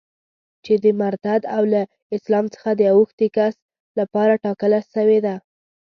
چي د مرتد او له اسلام څخه د اوښتي کس لپاره ټاکله سوې ده.